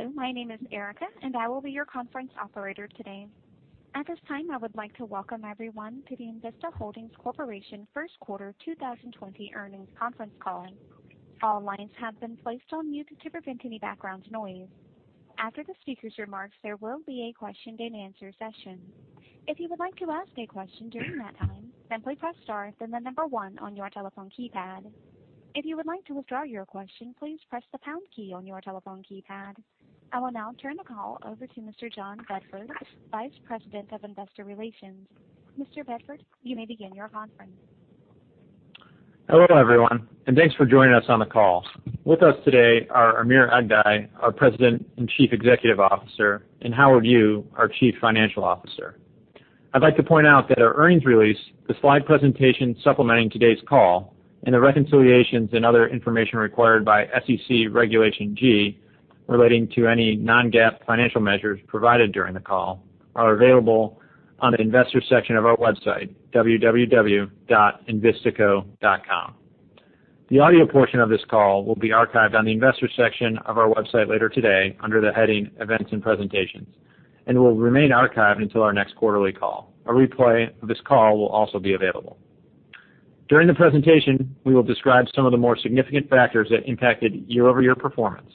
Hello, my name is Erica, and I will be your conference operator today. At this time, I would like to welcome everyone to the Envista Holdings Corporation Q1 2020 Earnings Conference Call. All lines have been placed on mute to prevent any background noise. After the speaker's remarks, there will be a question-and-answer session. If you would like to ask a question during that time, simply press star, then one on your telephone keypad. If you would like to withdraw your question, please press the pound key on your telephone keypad. I will now turn the call over to Mr. John Bedford, Vice President of Investor Relations. Mr. Bedford, you may begin your conference. Hello, everyone, and thanks for joining us on the call. With us today are Amir Aghdaei, our President and Chief Executive Officer, and Howard Yu, our Chief Financial Officer. I'd like to point out that our earnings release, the slide presentation supplementing today's call, and the reconciliations and other information required by SEC Regulation G relating to any non-GAAP financial measures provided during the call, are available on the investor section of our website, www.envistaco.com. The audio portion of this call will be archived on the investor section of our website later today under the heading Events and Presentations, and will remain archived until our next quarterly call. A replay of this call will also be available. During the presentation, we will describe some of the more significant factors that impacted year-over-year performance.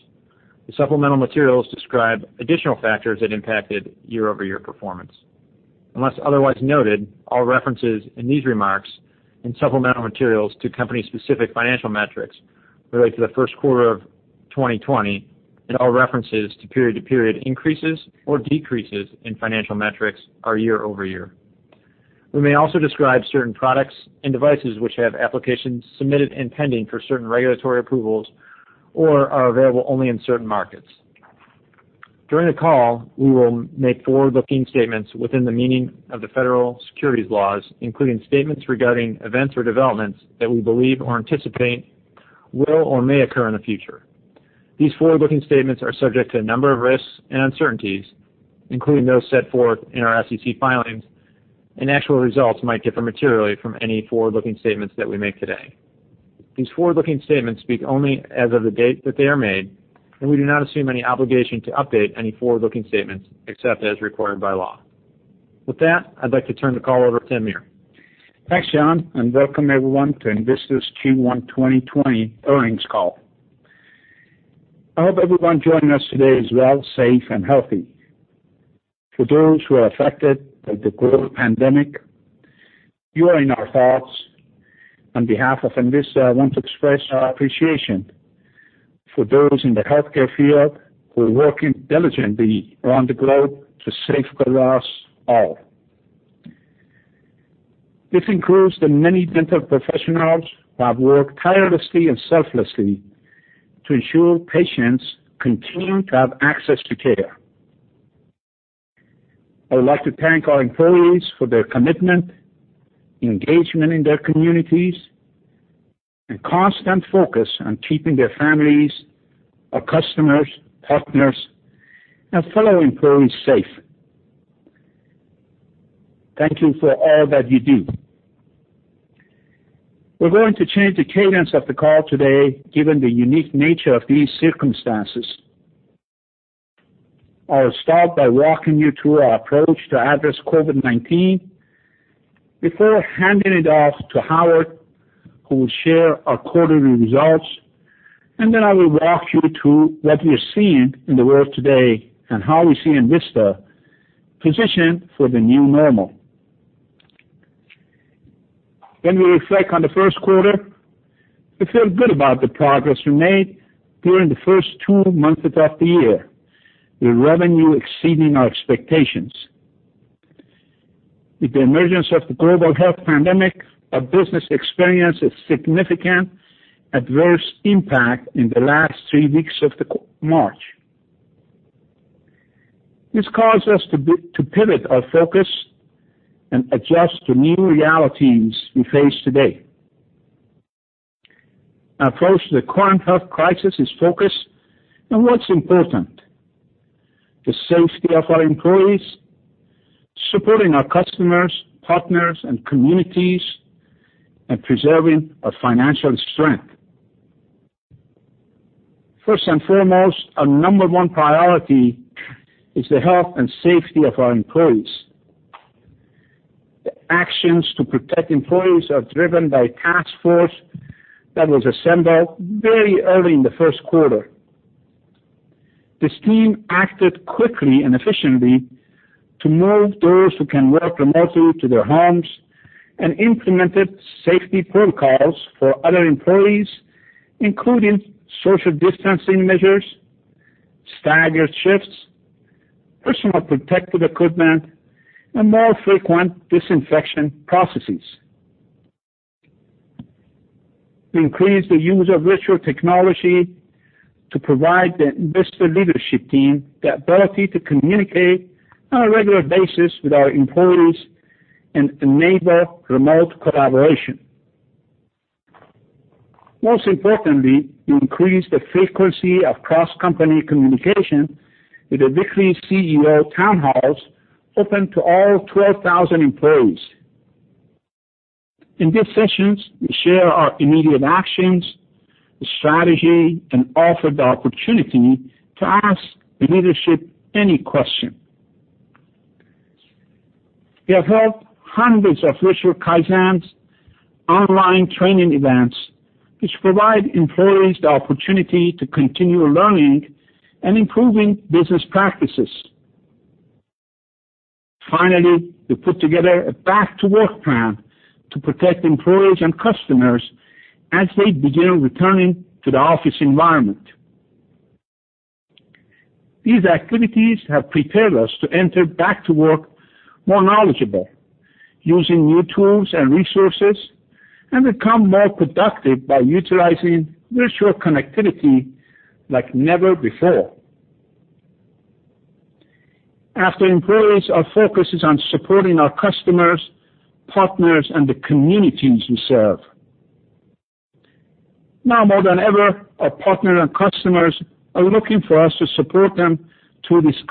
The supplemental materials describe additional factors that impacted year-over-year performance. Unless otherwise noted, all references in these remarks and supplemental materials to company-specific financial matrix relate to the Q1 of 2020, and all references to period-to-period increases or decreases in financial matrix are year-over-year. We may also describe certain products and devices which have applications submitted and pending for certain regulatory approvals or are available only in certain markets. During the call, we will make forward-looking statements within the meaning of the federal securities laws, including statements regarding events or developments that we believe or anticipate will or may occur in the future. These forward-looking statements are subject to a number of risks and uncertainties, including those set forth in our SEC filings, and actual results might differ materially from any forward-looking statements that we make today. These forward-looking statements speak only as of the date that they are made, and we do not assume any obligation to update any forward-looking statements, except as required by law. With that, I'd like to turn the call over to Amir. Thanks, John. Welcome everyone to Envista's Q1 2020 earnings call. I hope everyone joining us today is well, safe, and healthy. For those who are affected by the global pandemic, you are in our thoughts. On behalf of Envista, I want to express our appreciation for those in the healthcare field who are working diligently around the globe to safeguard us all. This includes the many dental professionals who have worked tirelessly and selflessly to ensure patients continue to have access to care. I would like to thank our employees for their commitment, engagement in their communities, and constant focus on keeping their families, our customers, partners, and fellow employees safe. Thank you for all that you do. We're going to change the cadence of the call today, given the unique nature of these circumstances. I will start by walking you through our approach to address COVID-19 before handing it off to Howard, who will share our quarterly results, and then I will walk you through what we are seeing in the world today and how we see Envista positioned for the new normal. When we reflect on the Q1, we feel good about the progress we made during the first two months of the year, with revenue exceeding our expectations. With the emergence of the global health pandemic, our business experienced a significant adverse impact in the last three weeks of March. This caused us to pivot our focus and adjust to new realities we face today. Our approach to the current health crisis is focused on what's important: the safety of our employees, supporting our customers, partners, and communities, and preserving our financial strength. First and foremost, our number one priority is the health and safety of our employees. The actions to protect employees are driven by a task force that was assembled very early in the 1st quarter. This team acted quickly and efficiently to move those who can work remotely to their homes and implemented safety protocols for other employees, including social distancing measures, staggered shifts, personal protective equipment, and more frequent disinfection processes. We increased the use of virtual technology to provide the investor leadership team the ability to communicate on a regular basis with our employees and enable remote collaboration. Most importantly, we increased the frequency of cross-company communication with a weekly CEO town halls open to all 12,000 employees. In these sessions, we share our immediate actions, the strategy, and offer the opportunity to ask the leadership any question. We have held hundreds of virtual Kaizens online training events, which provide employees the opportunity to continue learning and improving business practices. Finally, we put together a back-to-work plan to protect employees and customers as they begin returning to the office environment. These activities have prepared us to enter back to work more knowledgeable, using new tools and resources, and become more productive by utilizing virtual connectivity like never before. After employees, our focus is on supporting our customers, partners, and the communities we serve. Now more than ever, our partner and customers are looking for us to support them through this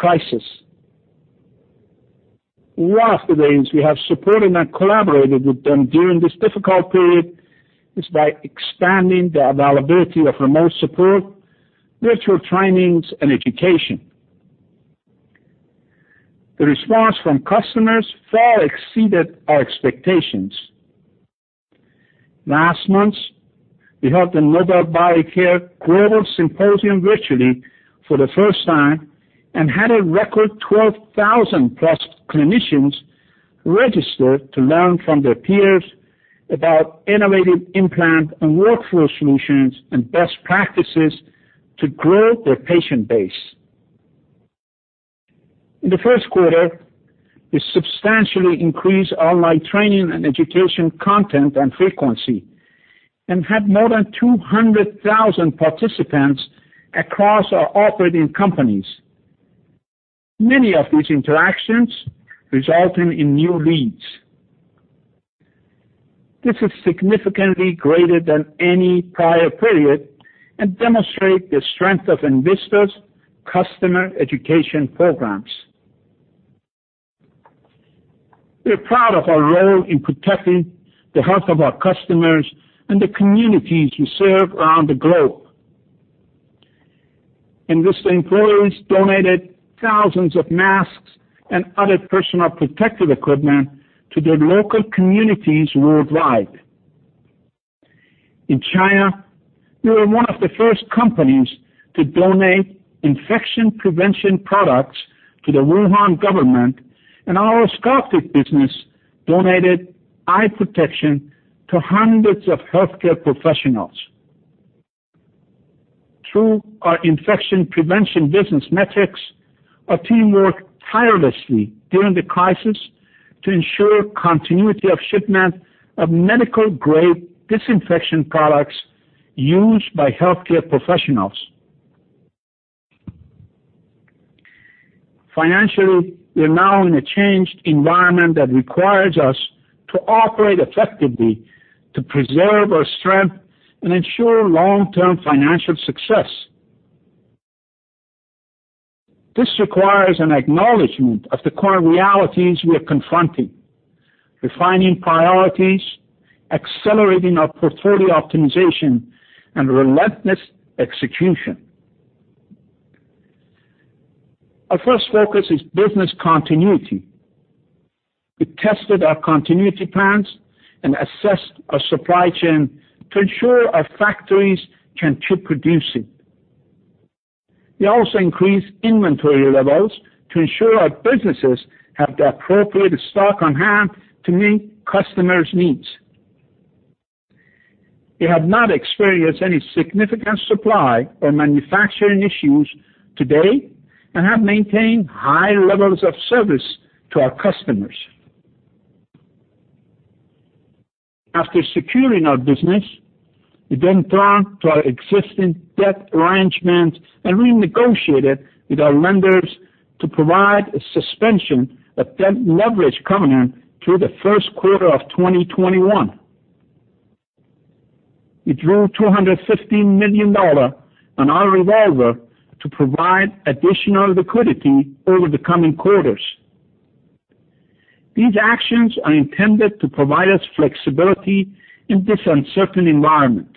crisis. One of the ways we have supported and collaborated with them during this difficult period is by expanding the availability of remote support, virtual trainings, and education. The response from customers far exceeded our expectations. Last month, we held the Nobel Biocare Global Symposium virtually for the first time and had a record 12,000+ clinicians register to learn from their peers about innovative implant and workflow solutions and best practices to grow their patient base. In the Q1, we substantially increased online training and education content and frequency, and had more than 200,000 participants across our operating companies. Many of these interactions resulting in new leads. This is significantly greater than any prior period and demonstrate the strength of Envista's customer education programs. We're proud of our role in protecting the health of our customers and the communities we serve around the globe. Envista employees donated thousands of masks and other personal protective equipment to their local communities worldwide. In China, we were one of the first companies to donate infection prevention products to the Wuhan government. Our ophthalmic business donated eye protection to hundreds of healthcare professionals. Through our infection prevention business metrics, our team worked tirelessly during the crisis to ensure continuity of shipment of medical-grade disinfection products used by healthcare professionals. Financially, we are now in a changed environment that requires us to operate effectively, to preserve our strength and ensure long-term financial success. This requires an acknowledgment of the current realities we are confronting, refining priorities, accelerating our portfolio optimization, and relentless execution. Our first focus is business continuity. We tested our continuity plans and assessed our supply chain to ensure our factories can keep producing. We also increased inventory levels to ensure our businesses have the appropriate stock on hand to meet customers' needs. We have not experienced any significant supply or manufacturing issues today and have maintained high levels of service to our customers. After securing our business, we then turned to our existing debt arrangements and renegotiated with our lenders to provide a suspension of debt leverage covenant through the Q1 of 2021. We drew $215 million on our revolver to provide additional liquidity over the coming quarters. These actions are intended to provide us flexibility in this uncertain environment.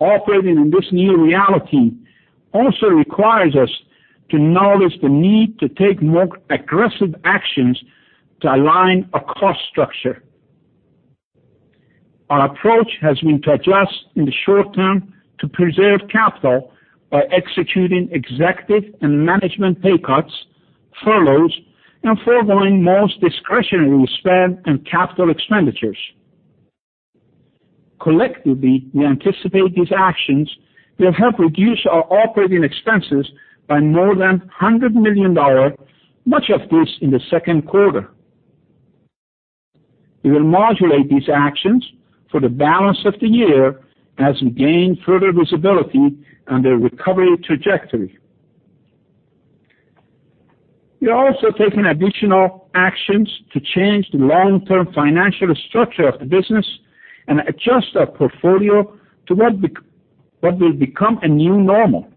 Operating in this new reality also requires us to acknowledge the need to take more aggressive actions to align our cost structure. Our approach has been to adjust in the short term to preserve capital by executing executive and management pay cuts, furloughs, and foregoing most discretionary spend and capital expenditures. Collectively, we anticipate these actions will help reduce our operating expenses by more than $100 million, much of this in the Q2. We will modulate these actions for the balance of the year as we gain further visibility on the recovery trajectory. We are also taking additional actions to change the long-term financial structure of the business and adjust our portfolio to what will become a new normal.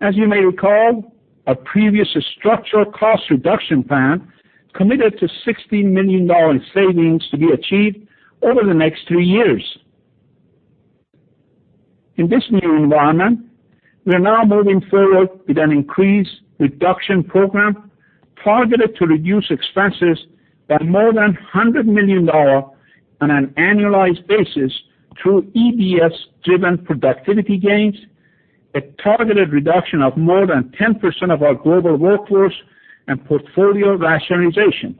As you may recall, our previous structural cost reduction plan committed to $60 million in savings to be achieved over the next three years. In this new environment, we are now moving forward with an increased reduction program targeted to reduce expenses by more than $100 million on an annualized basis through EBS-driven productivity gains, a targeted reduction of more than 10% of our global workforce, and portfolio rationalization.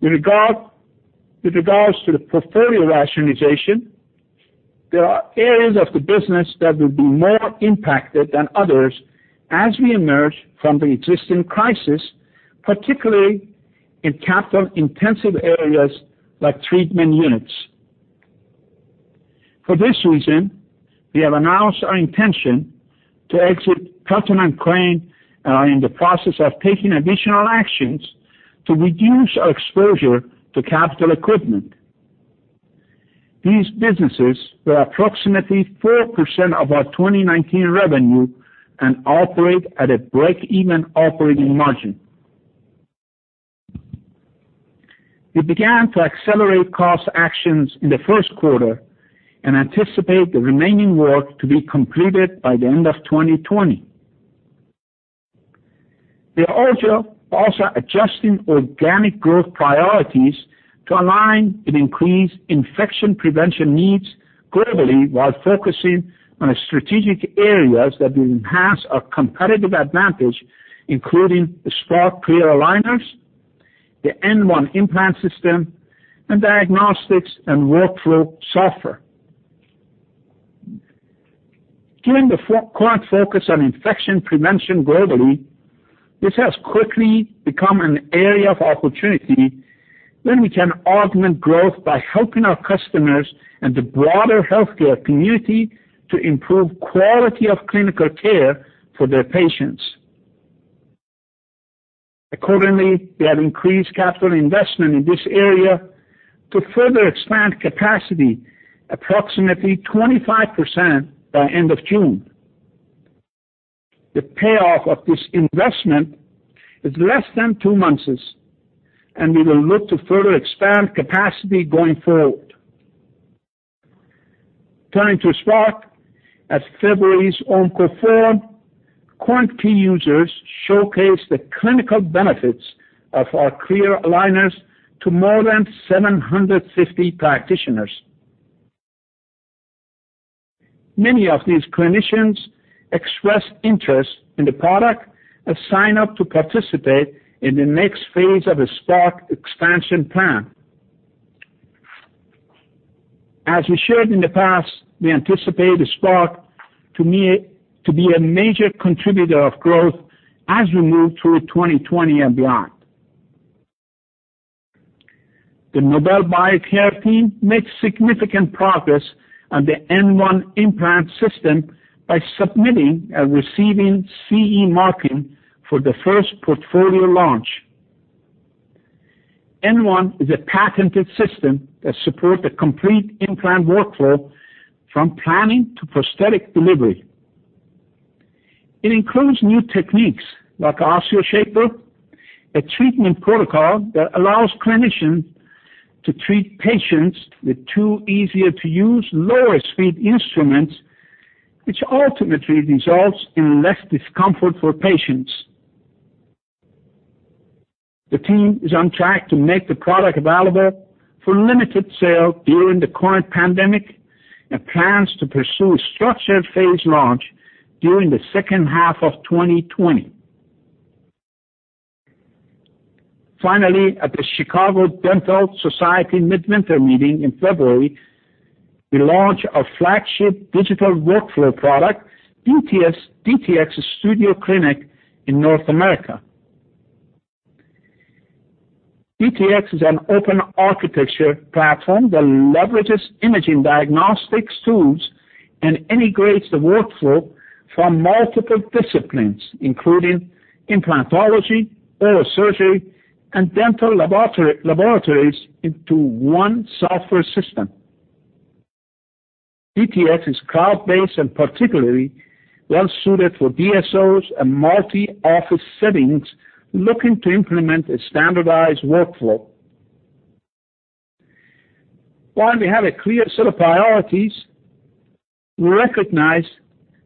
With regards to the portfolio rationalization, there are areas of the business that will be more impacted than others as we emerge from the existing crisis, particularly in capital-intensive areas like treatment units. For this reason, we have announced our intention to exit Pelton & Crane, and are in the process of taking additional actions to reduce our exposure to capital equipment. These businesses were approximately 4% of our 2019 revenue and operate at a break-even operating margin. We began to accelerate cost actions in the Q1 and anticipate the remaining work to be completed by the end of 2020. We are also adjusting organic growth priorities to align with increased infection prevention needs globally, while focusing on strategic areas that will enhance our competitive advantage, including the Spark clear aligners, the N1 implant system, and diagnostics and workflow software. Given the current focus on infection prevention globally, this has quickly become an area of opportunity where we can augment growth by helping our customers and the broader healthcare community to improve quality of clinical care for their patients. Accordingly, we have increased capital investment in this area to further expand capacity, approximately 25% by end of June. The payoff of this investment is less than two months, and we will look to further expand capacity going forward. Turning to Spark, at February's Ormco Forum, current key users showcased the clinical benefits of our clear aligners to more than 750 practitioners. Many of these clinicians expressed interest in the product and signed up to participate in the next phase of the Spark expansion plan. As we shared in the past, we anticipate Spark to be a major contributor of growth as we move through 2020 and beyond. The Nobel Biocare team made significant progress on the N1 implant system by submitting and receiving CE marking for the first portfolio launch. N1 is a patented system that support the complete implant workflow, from planning to prosthetic delivery. It includes new techniques like OsseoShaper, a treatment protocol that allows clinicians to treat patients with two easier-to-use, lower-speed instruments, which ultimately results in less discomfort for patients. The team is on track to make the product available for limited sale during the current pandemic and plans to pursue a structured phase launch during the second half of 2020. Finally, at the Chicago Dental Society Midwinter Meeting in February, we launched our flagship digital workflow product, DTX Studio Clinic in North America. DTX is an open architecture platform that leverages imaging diagnostics tools and integrates the workflow from multiple disciplines, including implantology, oral surgery, and dental laboratories into one software system. DTX is cloud-based and particularly well-suited for DSOs and multi-office settings looking to implement a standardized workflow. While we have a clear set of priorities, we recognize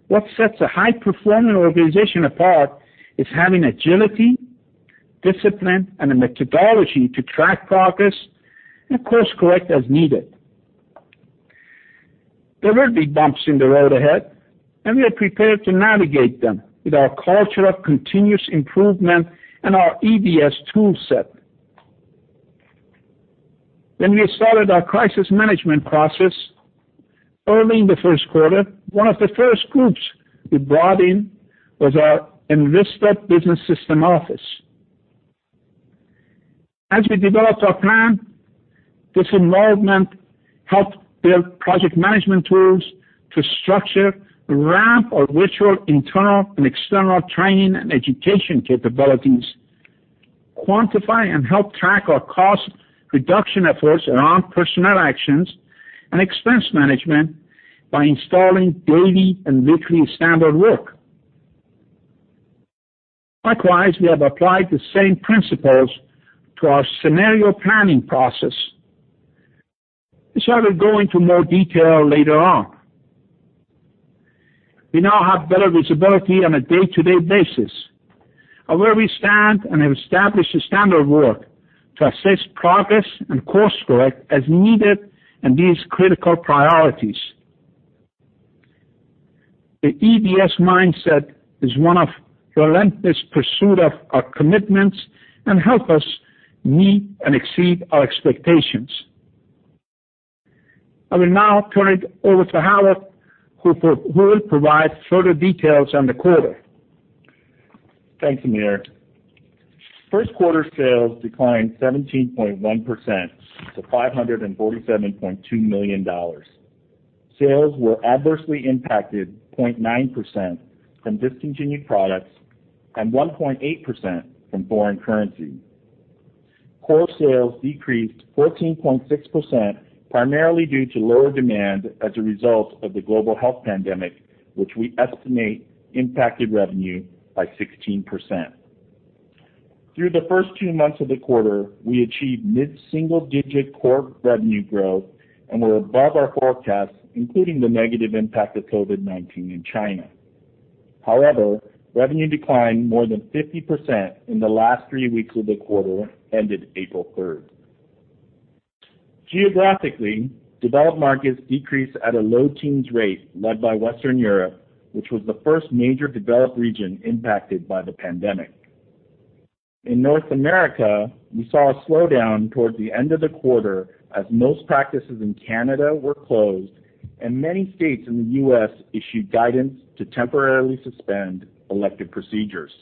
what sets a high-performing organization apart is having agility, discipline, and a methodology to track progress and course-correct as needed. There will be bumps in the road ahead, and we are prepared to navigate them with our culture of continuous improvement and our EDS toolset. When we started our crisis management process early in the Q1, one of the first groups we brought in was our Envista Business System office. As we developed our plan, this involvement helped build project management tools to structure and ramp our virtual, internal, and external training and education capabilities. Quantify and help track our cost reduction efforts around personnel actions and expense management by installing daily and weekly standard work. Likewise, we have applied the same principles to our scenario planning process, which I will go into more detail later on. We now have better visibility on a day-to-day basis of where we stand and have established a standard work to assess progress and course correct as needed in these critical priorities. The EDS mindset is one of relentless pursuit of our commitments and help us meet and exceed our expectations. I will now turn it over to Howard, who will provide further details on the quarter. Thanks, Amir. Q1 sales declined 17.1% to $547.2 million. Sales were adversely impacted 0.9% from discontinued products and 1.8% from foreign currency. Core sales decreased 14.6%, primarily due to lower demand as a result of the global health pandemic, which we estimate impacted revenue by 16%. Through the first two months of the quarter, we achieved mid-single-digit core revenue growth and were above our forecast, including the negative impact of COVID-19 in China. Revenue declined more than 50% in the last three weeks of the quarter, ended April 3rd. Geographically, developed markets decreased at a low teens rate, led by Western Europe, which was the first major developed region impacted by the pandemic. In North America, we saw a slowdown towards the end of the quarter as most practices in Canada were closed and many states in the US issued guidance to temporarily suspend elective procedures.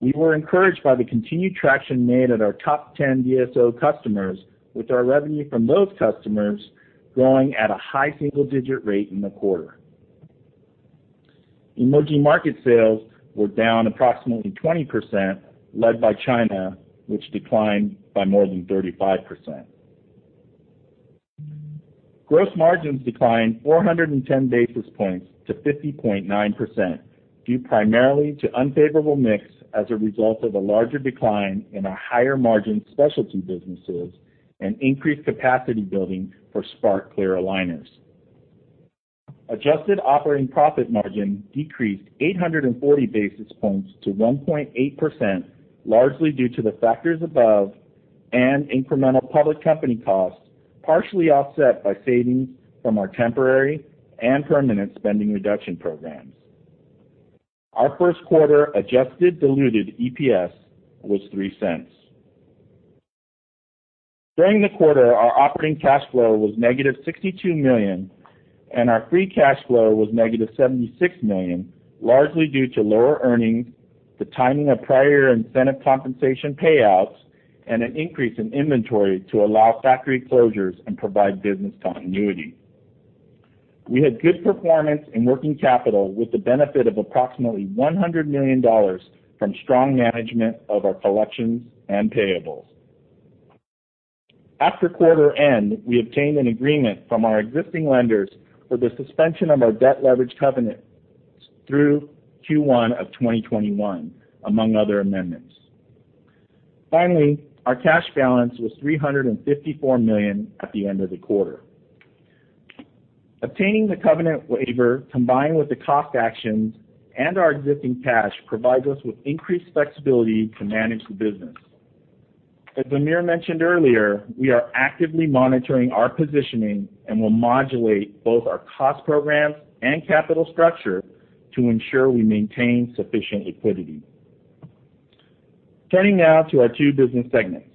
We were encouraged by the continued traction made at our top 10 DSO customers, with our revenue from those customers growing at a high single-digit rate in the quarter. Emerging market sales were down approximately 20%, led by China, which declined by more than 35%. Gross margins declined 410 basis points to 50.9%, due primarily to unfavorable mix as a result of a larger decline in our higher-margin specialty businesses and increased capacity building for Spark clear aligners. Adjusted operating profit margin decreased 840 basis points to 1.8%, largely due to the factors above and incremental public company costs, partially offset by savings from our temporary and permanent spending reduction programs. Our Q1 adjusted diluted EPS was $0.03. During the quarter, our operating cash flow was negative $62 million, and our free cash flow was negative $76 million, largely due to lower earnings, the timing of prior incentive compensation payouts, and an increase in inventory to allow factory closures and provide business continuity. We had good performance in working capital with the benefit of approximately $100 million from strong management of our collections and payables. After quarter end, we obtained an agreement from our existing lenders for the suspension of our debt leverage covenants through Q1 of 2021, among other amendments. Our cash balance was $354 million at the end of the quarter. Obtaining the covenant waiver, combined with the cost actions and our existing cash, provides us with increased flexibility to manage the business. As Amir mentioned earlier, we are actively monitoring our positioning and will modulate both our cost programs and capital structure to ensure we maintain sufficient liquidity. Now to our two business segments.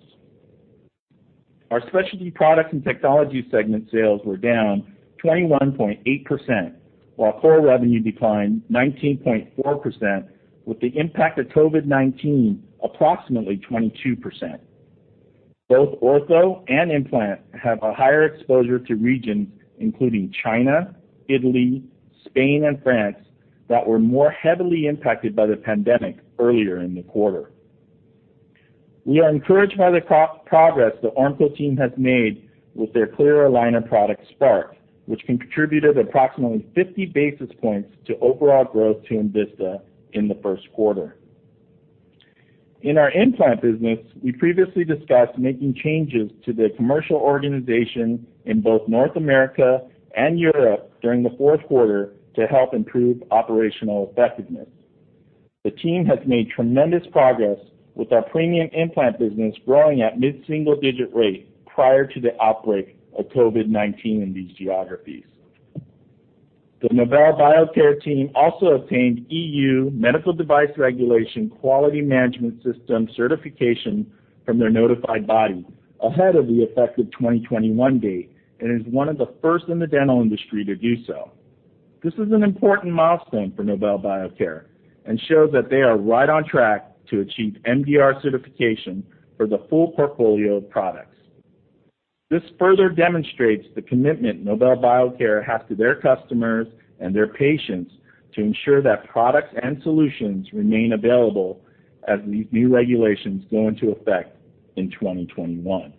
Our Specialty Products & Technologies segment sales were down 21.8%, while core revenue declined 19.4%, with the impact of COVID-19 approximately 22%. Both ortho and implant have a higher exposure to regions, including China, Italy, Spain, and France, that were more heavily impacted by the pandemic earlier in the quarter. We are encouraged by the pro-progress the ortho team has made with their clear aligner product, Spark, which contributed approximately 50 basis points to overall growth to Envista in the Q1. In our implant business, we previously discussed making changes to the commercial organization in both North America and Europe during the fourth quarter to help improve operational effectiveness. The team has made tremendous progress with our premium implant business growing at mid-single-digit rate prior to the outbreak of COVID-19 in these geographies. The Nobel Biocare team also obtained EU Medical Device Regulation Quality Management System certification from their notified body ahead of the effective 2021 date, and is one of the first in the dental industry to do so. This is an important milestone for Nobel Biocare and shows that they are right on track to achieve MDR certification for the full portfolio of products. This further demonstrates the commitment Nobel Biocare has to their customers and their patients to ensure that products and solutions remain available as these new regulations go into effect in 2021.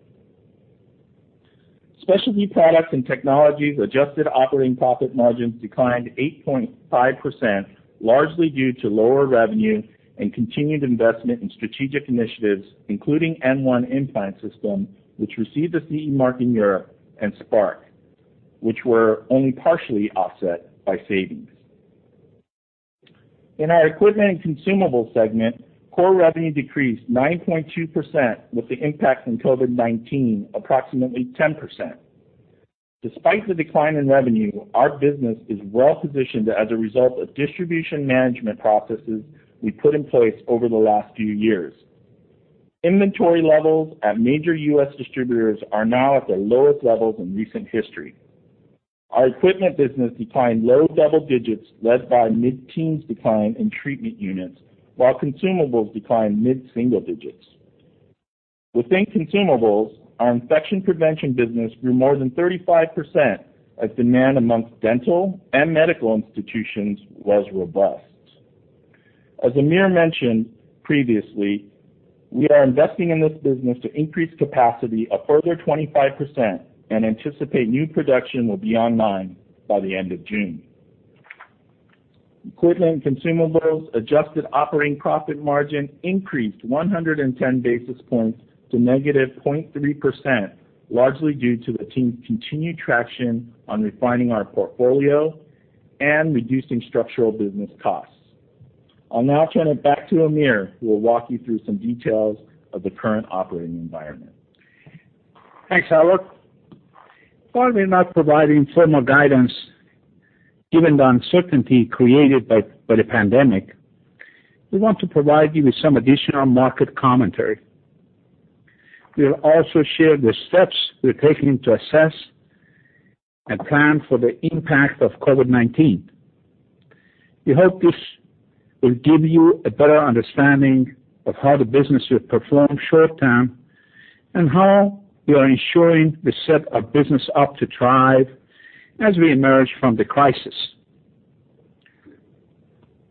Specialty Products & Technologies adjusted operating profit margins declined 8.5%, largely due to lower revenue and continued investment in strategic initiatives, including N1 implant system, which received a CE mark in Europe, and Spark, which were only partially offset by savings. In our equipment and consumables segment, core revenue decreased 9.2%, with the impact from COVID-19 approximately 10%. Despite the decline in revenue, our business is well-positioned as a result of distribution management processes we put in place over the last few years. Inventory levels at major US distributors are now at their lowest levels in recent history. Our equipment business declined low double digits, led by mid-teens decline in treatment units, while consumables declined mid-single digits. Within consumables, our infection prevention business grew more than 35%, as demand amongst dental and medical institutions was robust. As Amir mentioned previously, we are investing in this business to increase capacity a further 25% and anticipate new production will be online by the end of June. Equipment and consumables adjusted operating profit margin increased 110 basis points to negative 0.3%, largely due to the team's continued traction on refining our portfolio and reducing structural business costs. I'll now turn it back to Amir, who will walk you through some details of the current operating environment. Thanks, Howard. While we're not providing formal guidance, given the uncertainty created by the pandemic, we want to provide you with some additional market commentary. We'll also share the steps we're taking to assess and plan for the impact of COVID-19. We hope this will give you a better understanding of how the business will perform short term, and how we are ensuring we set our business up to thrive as we emerge from the crisis.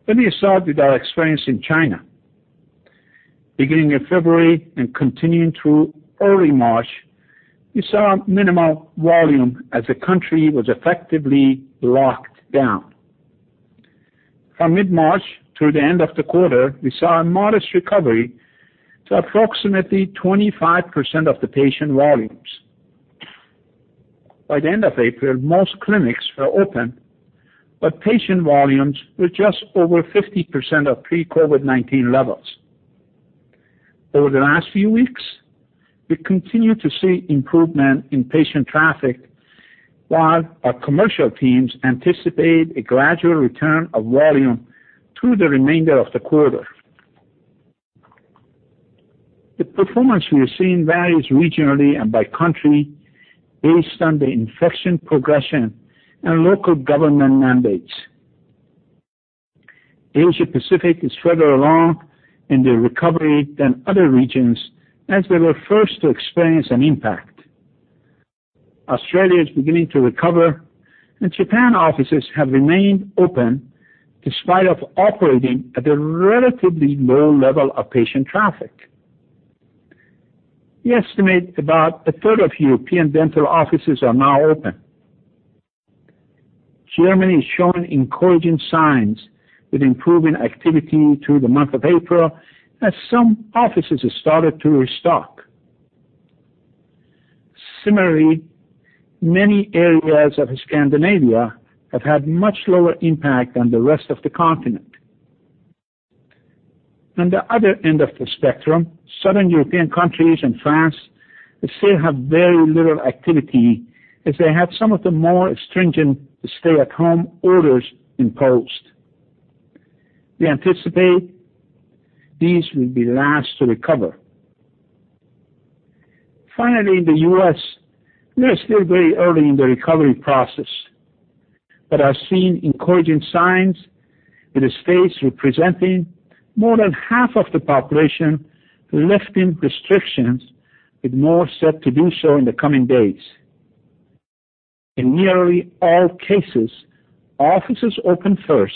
Let me start with our experience in China. Beginning in February and continuing through early March, we saw minimal volume as the country was effectively locked down. From mid-March through the end of the quarter, we saw a modest recovery to approximately 25% of the patient volumes. By the end of April, most clinics were open, but patient volumes were just over 50% of pre-COVID-19 levels. Over the last few weeks, we continue to see improvement in patient traffic, while our commercial teams anticipate a gradual return of volume through the remainder of the quarter. The performance we are seeing varies regionally and by country based on the infection progression and local government mandates. Asia Pacific is further along in the recovery than other regions, as they were first to experience an impact. Australia is beginning to recover, Japan offices have remained open, despite operating at a relatively low level of patient traffic. We estimate about a third of European dental offices are now open. Germany is showing encouraging signs with improving activity through the month of April, as some offices have started to restock. Similarly, many areas of Scandinavia have had much lower impact than the rest of the continent. On the other end of the spectrum, southern European countries and France still have very little activity, as they had some of the more stringent stay-at-home orders imposed. We anticipate these will be last to recover. In the US, we are still very early in the recovery process, but are seeing encouraging signs, with the states representing more than half of the population lifting restrictions, with more set to do so in the coming days. In nearly all cases, offices open first,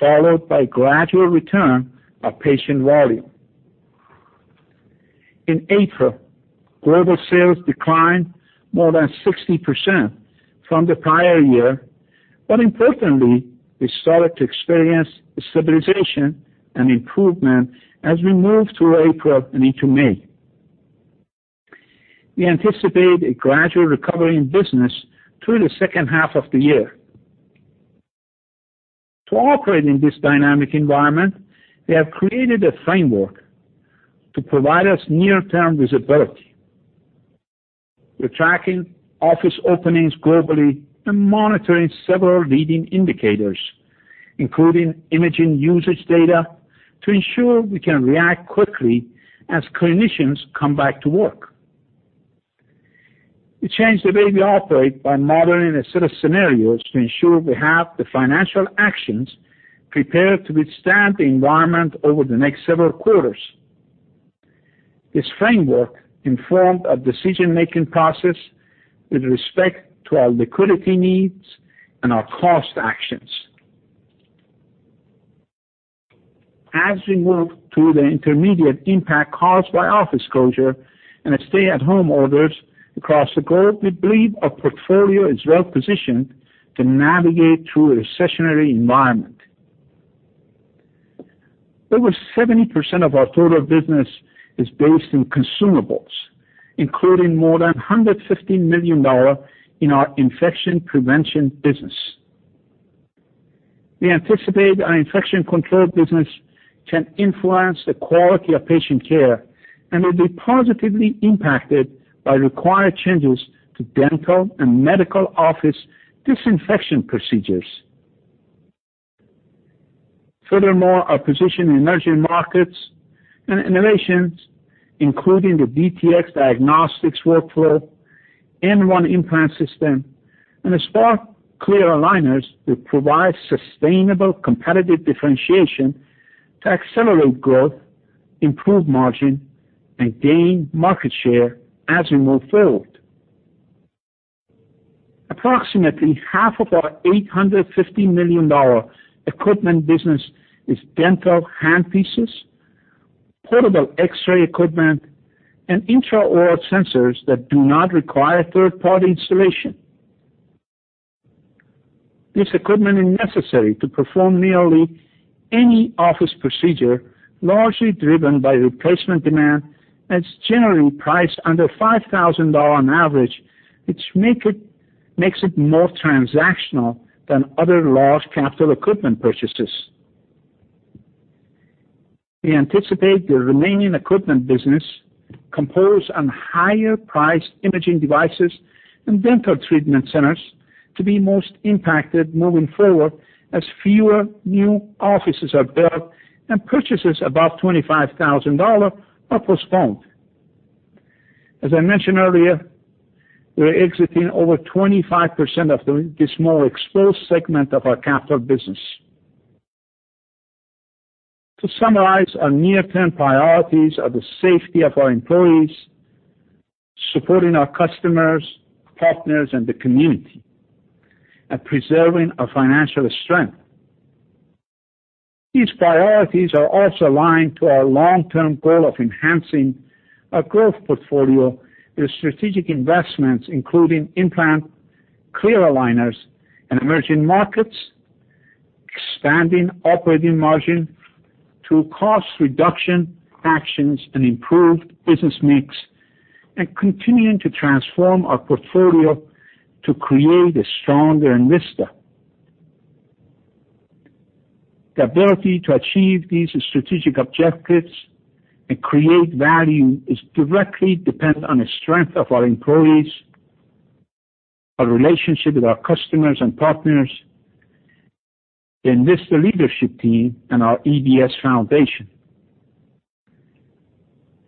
followed by gradual return of patient volume. In April, global sales declined more than 60% from the prior year, but importantly, we started to experience stabilization and improvement as we moved through April and into May. We anticipate a gradual recovery in business through the second half of the year. To operate in this dynamic environment, we have created a framework to provide us near-term visibility. We're tracking office openings globally and monitoring several leading indicators, including imaging usage data, to ensure we can react quickly as clinicians come back to work. We changed the way we operate by modeling a set of scenarios to ensure we have the financial actions prepared to withstand the environment over the next several quarters. This framework informed our decision-making process with respect to our liquidity needs and our cost actions. As we move through the intermediate impact caused by office closure and a stay-at-home orders across the globe, we believe our portfolio is well positioned to navigate through a recessionary environment. Over 70% of our total business is based in consumables, including more than $150 million in our infection prevention business. We anticipate our infection control business can influence the quality of patient care, and will be positively impacted by required changes to dental and medical office disinfection procedures. Furthermore, our position in emerging markets and innovations, including the DTX diagnostics workflow, N1 Implant System, and the Spark clear aligners, will provide sustainable competitive differentiation to accelerate growth, improve margin, and gain market share as we move forward. Approximately half of our $850 million equipment business is dental handpieces, portable X-ray equipment, and intraoral sensors that do not require third-party installation. This equipment is necessary to perform nearly any office procedure, largely driven by replacement demand, and it's generally priced under $5,000 on average, which makes it more transactional than other large capital equipment purchases. We anticipate the remaining equipment business, composed on higher priced imaging devices and dental treatment centers, to be most impacted moving forward, as fewer new offices are built and purchases above $25,000 are postponed. As I mentioned earlier, we are exiting over 25% of this more exposed segment of our capital business. To summarize, our near-term priorities are the safety of our employees, supporting our customers, partners, and the community, and preserving our financial strength. These priorities are also aligned to our long-term goal of enhancing our growth portfolio with strategic investments, including implant, clear aligners, and emerging markets, expanding operating margin through cost reduction actions and improved business mix, and continuing to transform our portfolio to create a stronger Envista. The ability to achieve these strategic objectives and create value is directly dependent on the strength of our employees, our relationship with our customers and partners, the Envista leadership team, and our EDS Foundation.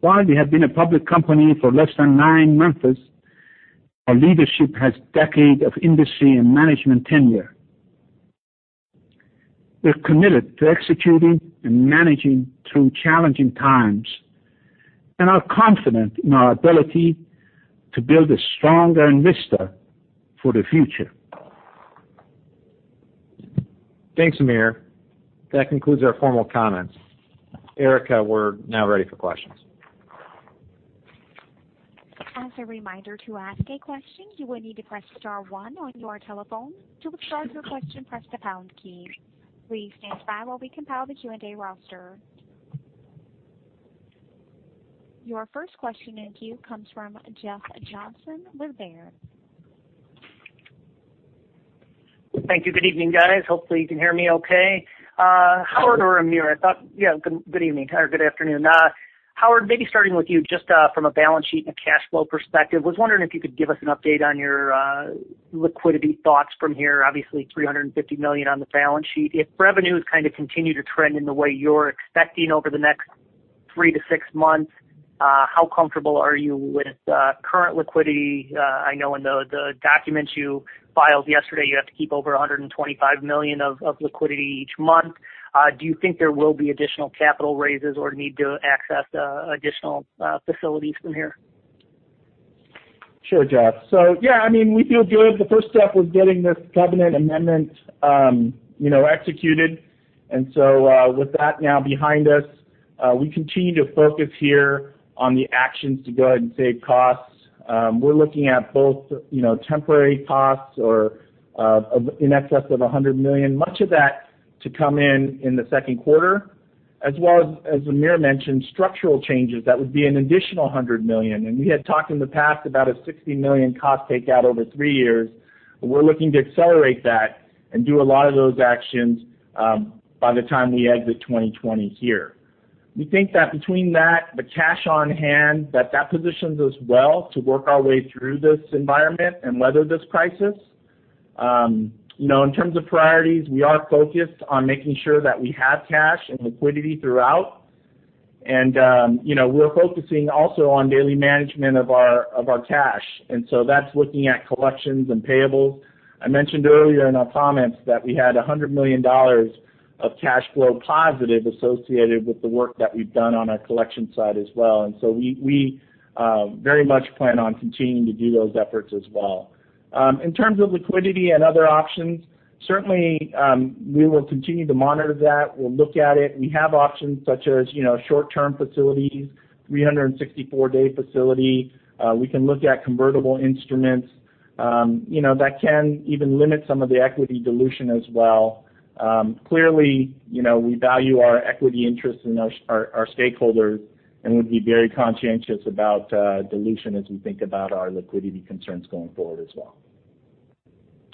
While we have been a public company for less than nine months, our leadership has decades of industry and management tenure. We're committed to executing and managing through challenging times, and are confident in our ability to build a stronger Envista for the future. Thanks, Amir. That concludes our formal comments. Erica, we're now ready for questions. As a reminder, to ask a question, you will need to press star one on your telephone. To withdraw your question, press the pound key. Please stand by while we compile the Q&A roster. Your first question in queue comes from Jeff Johnson with Baird. Thank you. Good evening, guys. Hopefully, you can hear me okay. Howard or Amir, Yeah, good evening or good afternoon. Howard, maybe starting with you, just from a balance sheet and a cash flow perspective, I was wondering if you could give us an update on your liquidity thoughts from here. Obviously, $350 million on the balance sheet. If revenues kind of continue to trend in the way you're expecting over the next three to six months, how comfortable are you with current liquidity? I know in the documents you filed yesterday, you have to keep over $125 million of liquidity each month. Do you think there will be additional capital raises or need to access additional facilities from here? Sure, Jeff. Yeah, I mean, we feel good. The first step was getting this covenant amendment, you know, executed. With that now behind us, we continue to focus here on the actions to go ahead and save costs. We're looking at both, you know, temporary costs or, of in excess of $100 million. Much of that to come in the Q2, as well as Amir mentioned, structural changes, that would be an additional $100 million. We had talked in the past about a $60 million cost takeout over three years. We're looking to accelerate that and do a lot of those actions, by the time we exit 2020 here. We think that between that, the cash on hand, that positions us well to work our way through this environment and weather this crisis. You know, in terms of priorities, we are focused on making sure that we have cash and liquidity throughout. You know, we're focusing also on daily management of our cash, and so that's looking at collections and payables. I mentioned earlier in our comments that we had $100 million of cash flow positive associated with the work that we've done on our collection side as well. We very much plan on continuing to do those efforts as well. In terms of liquidity and other options, certainly, we will continue to monitor that. We'll look at it. We have options such as, you know, short-term facilities, 364-day facility. We can look at convertible instruments, you know, that can even limit some of the equity dilution as well. Clearly, you know, we value our equity interest in our stakeholders, and we'd be very conscientious about dilution as we think about our liquidity concerns going forward as well.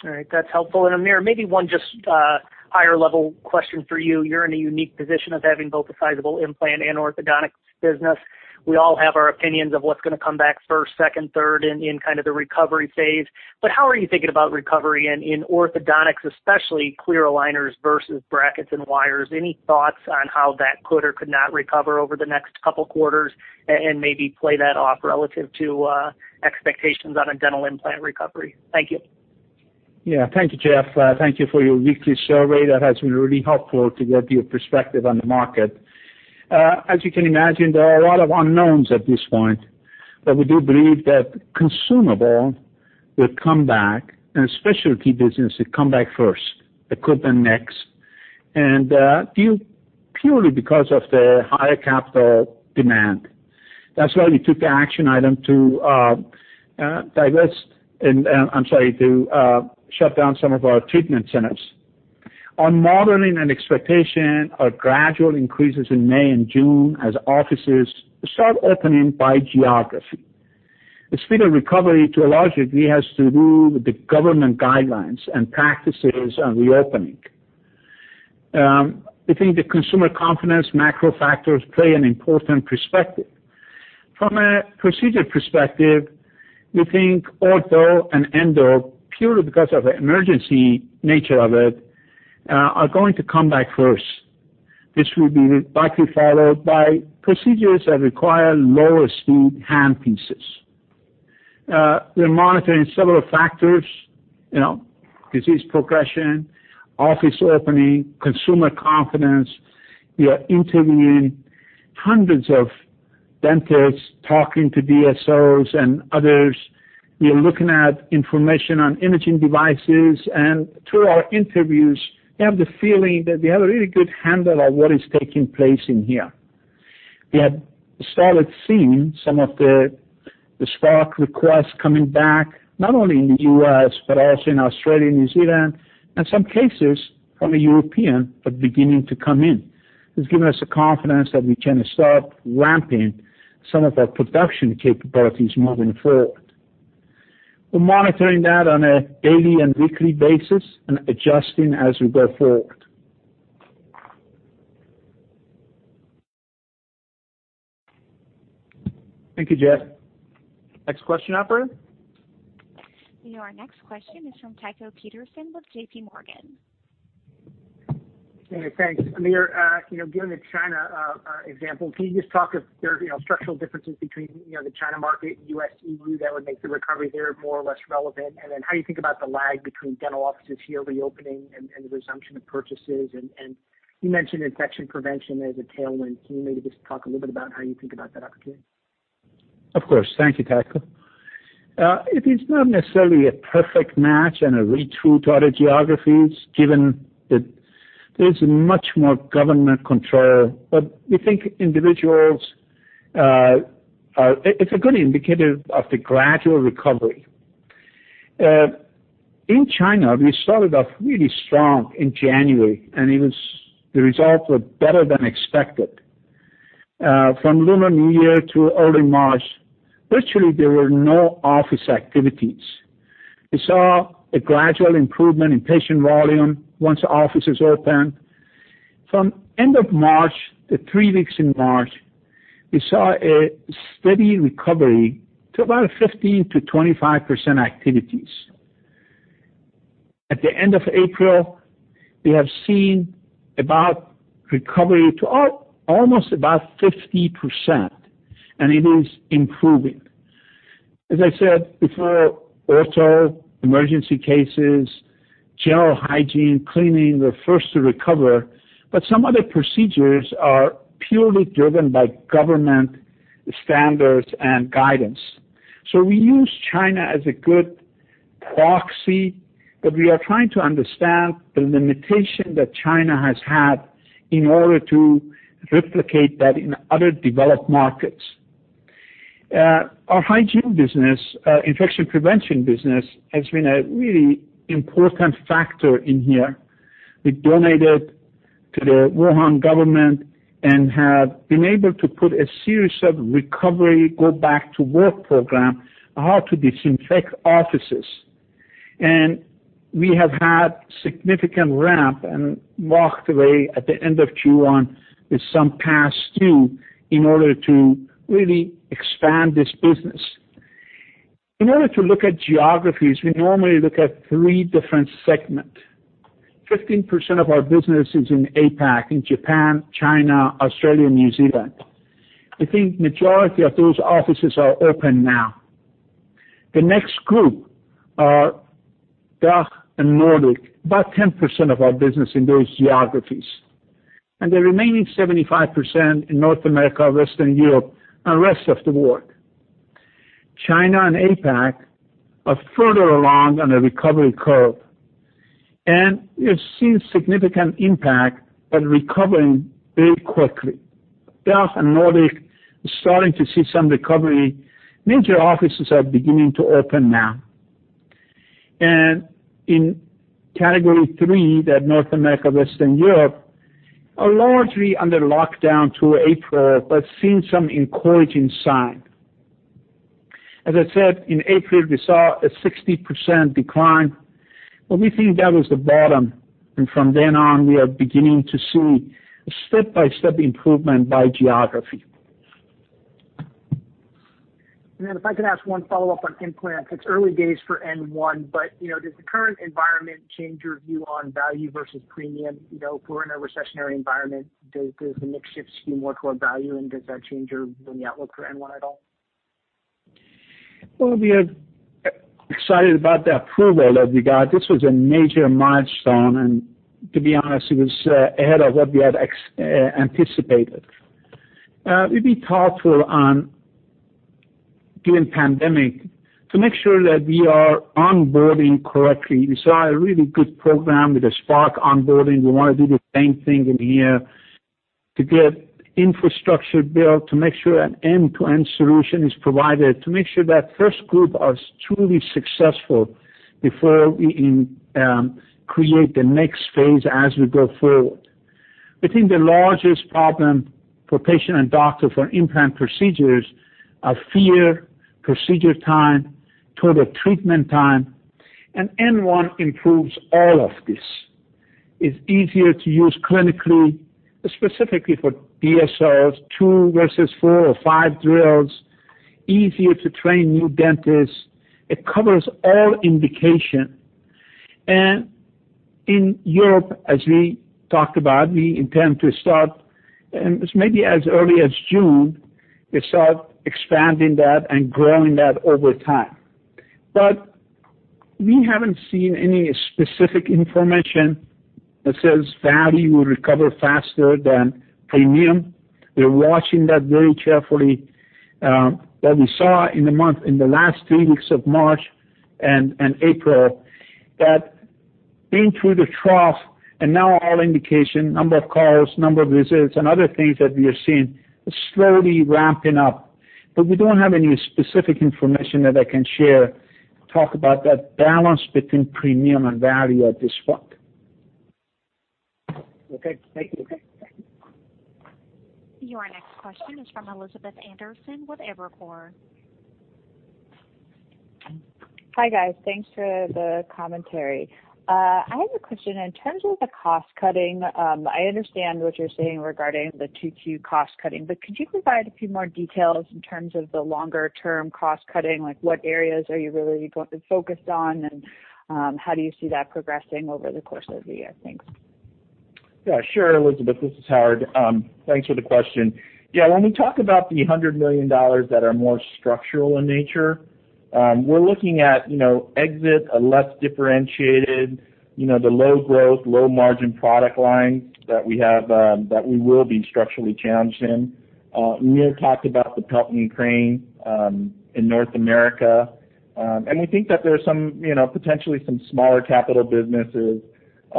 All right. That's helpful. Amir, maybe one just higher level question for you. You're in a unique position of having both a sizable implant and orthodontic business. We all have our opinions of what's going to come back first, second, third, in kind of the recovery phase. How are you thinking about recovery and in orthodontics, especially clear aligners versus brackets and wires? Any thoughts on how that could or could not recover over the next couple quarters, and maybe play that off relative to expectations on a dental implant recovery? Thank you. Thank you, Jeff. Thank you for your weekly survey. That has been really helpful to get your perspective on the market. As you can imagine, there are a lot of unknowns at this point, but we do believe that consumable will come back, and specialty business will come back first, equipment next, and due purely because of the higher capital demand. That's why we took the action item to divest and, I'm sorry, to shut down some of our treatment centers. On modeling and expectation are gradual increases in May and June as offices start opening by geography. The speed of recovery, to a large degree, has to do with the government guidelines and practices on reopening. We think the consumer confidence macro factors play an important perspective. From a procedure perspective, we think ortho and endo, purely because of the emergency nature of it, are going to come back first. This will be likely followed by procedures that require lower speed handpieces. We're monitoring several factors, you know, disease progression, office opening, consumer confidence. We are interviewing hundreds of dentists, talking to DSOs and others. We are looking at information on imaging devices, and through our interviews, we have the feeling that we have a really good handle on what is taking place in here. We have started seeing some of the stock requests coming back, not only in the US, but also in Australia, New Zealand, and some cases from the European are beginning to come in. It's given us the confidence that we can start ramping some of our production capabilities moving forward. We're monitoring that on a daily and weekly basis and adjusting as we go forward. Thank you, Jeff. Next question, operator. Our next question is from Tycho Peterson with JP Morgan. Hey, thanks. Amir, you know, given the China example, can you just talk if there are, you know, structural differences between, you know, the China market, US, EU, that would make the recovery there more or less relevant? How do you think about the lag between dental offices here reopening and the resumption of purchases? You mentioned infection prevention as a tailwind. Can you maybe just talk a little bit about how you think about that opportunity? Of course. Thank you, Tycho. It is not necessarily a perfect match and a read-through to other geographies, given that there's much more government control. We think individuals, it's a good indicator of the gradual recovery. In China, we started off really strong in January, and the results were better than expected. From Lunar New Year to early March, virtually, there were no office activities. We saw a gradual improvement in patient volume once the offices opened. From end of March, the three weeks in March, we saw a steady recovery to about 15%-25% activities. At the end of April, we have seen about recovery to almost about 50%, and it is improving. As I said before, ortho, emergency cases, general hygiene, cleaning, were first to recover, but some other procedures are purely driven by government standards and guidance. We use China as a good proxy, but we are trying to understand the limitation that China has had in order to replicate that in other developed markets. Our hygiene business, infection prevention business, has been a really important factor in here. We donated to the Wuhan government and have been able to put a series of recovery, go back to work program on how to disinfect offices. We have had significant ramp and walked away at the end of Q1 with some pass-through in order to really expand this business. In order to look at geographies, we normally look at three different segment. 15% of our business is in APAC, in Japan, China, Australia, and New Zealand. I think majority of those offices are open now. The next group are DACH and Nordic, about 10% of our business in those geographies, and the remaining 75% in North America, Western Europe, and rest of the world. China and APAC are further along on the recovery curve, and we have seen significant impact and recovering very quickly. DACH and Nordic is starting to see some recovery. Major offices are beginning to open now. In category three, that North America, Western Europe, are largely under lockdown till April, but seeing some encouraging sign. As I said, in April, we saw a 60% decline, but we think that was the bottom, and from then on, we are beginning to see a step-by-step improvement by geography. If I could ask one follow-up on implant, it's early days for N1, but, you know, does the current environment change your view on value versus premium? You know, if we're in a recessionary environment, does the mix shift skew more toward value, and does that change your, the outlook for N1 at all? Well, we are excited about the approval that we got. This was a major milestone, and to be honest, it was ahead of what we had anticipated. We'd be thoughtful on, during pandemic, to make sure that we are onboarding correctly. We saw a really good program with a Spark onboarding. We want to do the same thing in here to get infrastructure built, to make sure an end-to-end solution is provided, to make sure that first group are truly successful before we create the next phase as we go forward. I think the largest problem for patient and doctor for implant procedures are fear, procedure time, total treatment time, and N1 improves all of this. It's easier to use clinically, specifically for DSOs, two versus four or five drills, easier to train new dentists. It covers all indication. In Europe, as we talked about, we intend to start, and this may be as early as June, we start expanding that and growing that over time. We haven't seen any specific information that says value will recover faster than premium. We're watching that very carefully, that we saw in the last three weeks of March and April, that being through the trough, and now all indication, number of calls, number of visits, and other things that we are seeing is slowly ramping up. We don't have any specific information that I can share, talk about that balance between premium and value at this point. Okay, thank you. Your next question is from Elizabeth Anderson with Evercore. Hi, guys. Thanks for the commentary. I have a question. In terms of the cost cutting, I understand what you're saying regarding the 2Q cost cutting, but could you provide a few more details in terms of the longer-term cost cutting? Like, what areas are you really focused on, and how do you see that progressing over the course of the year? Thanks. Sure, Elizabeth, this is Howard. Thanks for the question. When we talk about the $100 million that are more structural in nature, we're looking at, you know, exit a less differentiated, you know, the low growth, low margin product lines that we have, that we will be structurally challenged in. Amir talked about the Pelton & Crane in North America. We think that there are some, you know, potentially some smaller capital businesses,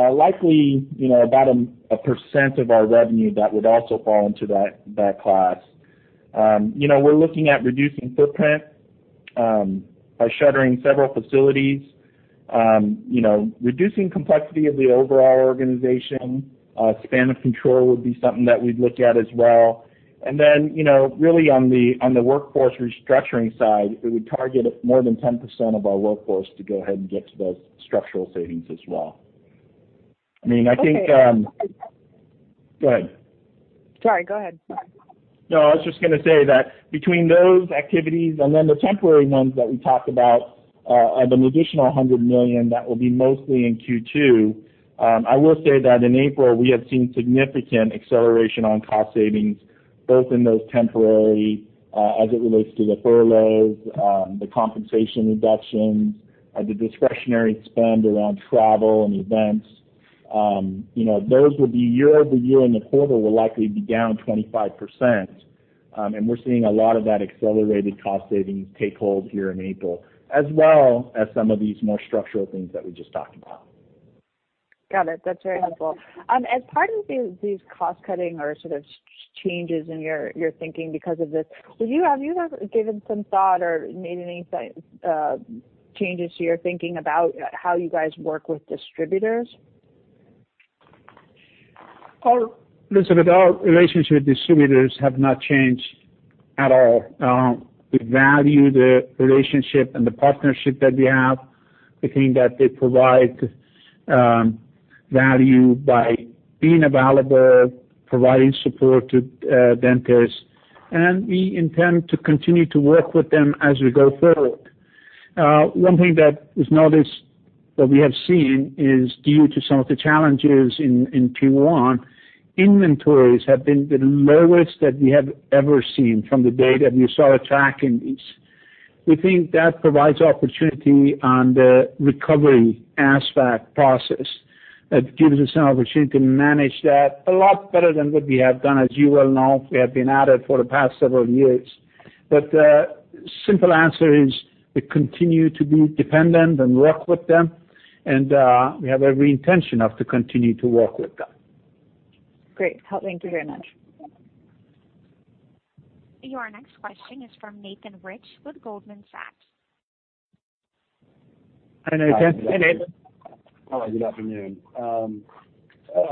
likely, you know, about 1% of our revenue that would also fall into that class. We're looking at reducing footprint by shuttering several facilities. Reducing complexity of the overall organization, span of control would be something that we'd look at as well. You know, really on the, on the workforce restructuring side, we would target more than 10% of our workforce to go ahead and get to those structural savings as well. I mean, I think. Okay. Go ahead. Sorry, go ahead. No, I was just going to say that between those activities and then the temporary ones that we talked about, and an additional $100 million, that will be mostly in Q2. I will say that in April, we have seen significant acceleration on cost savings, both in those temporary, as it relates to the furloughs, the compensation reductions, the discretionary spend around travel and events. You know, those would be year-over-year, and the quarter will likely be down 25%, and we're seeing a lot of that accelerated cost savings take hold here in April, as well as some of these more structural things that we just talked about. Got it. That's very helpful. As part of these cost cutting or sort of changes in your thinking because of this, have you ever given some thought or made any changes to your thinking about how you guys work with distributors? Elizabeth, our relationship with distributors have not changed at all. We value the relationship and the partnership that we have. We think that they provide value by being available, providing support to dentists, and we intend to continue to work with them as we go forward. One thing that is noticed, that we have seen, is due to some of the challenges in Taiwan, inventories have been the lowest that we have ever seen from the day that we started tracking these. We think that provides opportunity on the recovery aspect process. That gives us an opportunity to manage that a lot better than what we have done. As you well know, we have been at it for the past several years. Simple answer is, we continue to be dependent and work with them, and, we have every intention of to continue to work with them. Great! Thank you very much. Your next question is from Nathan Rich with Goldman Sachs. Hi, Nathan. Hey, Nate. Hi, good afternoon.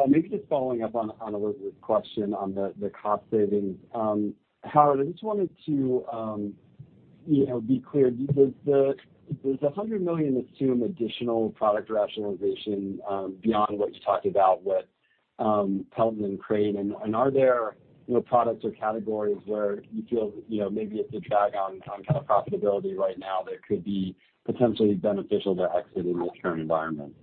maybe just following up on Elizabeth's question on the cost savings. Howard, I just wanted to, you know, be clear, there's a $100 million assumed additional product rationalization beyond what you talked about with Pelton & Crane. are there, you know, products or categories where you feel, you know, maybe it's a drag on kind of profitability right now, that could be potentially beneficial to exit in this current environment?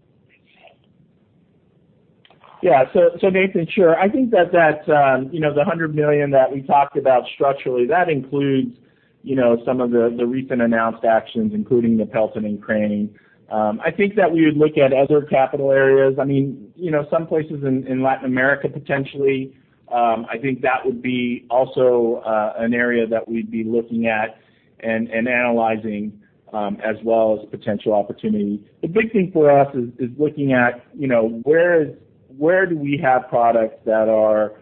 Yeah. Nathan, sure. I think that, you know, the $100 million that we talked about structurally, that includes, you know, some of the recent announced actions, including the Pelton & Crane. I think that we would look at other capital areas. I mean, you know, some places in Latin America, potentially, I think that would be also an area that we'd be looking at and analyzing, as well as potential opportunity. The big thing for us is looking at, you know, where do we have products that are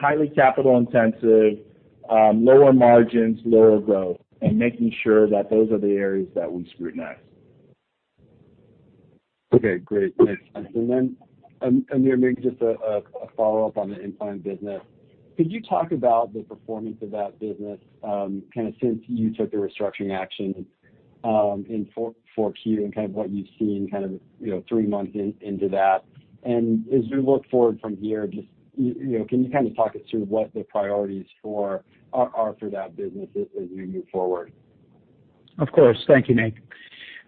highly capital intensive, lower margins, lower growth, and making sure that those are the areas that we scrutinize. Okay, great. Thanks. Amir, maybe just a follow-up on the implant business. Could you talk about the performance of that business, kind of since you took the restructuring action in 4Q, and kind of what you've seen, you know, three months into that? As we look forward from here, you know, can you kind of talk us through what the priorities are for that business as we move forward? Of course. Thank you, Nate.